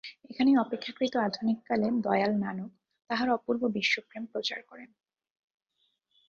এখানেই অপেক্ষাকৃত আধুনিককালে দয়াল নানক তাঁহার অপূর্ব বিশ্বপ্রেম প্রচার করেন।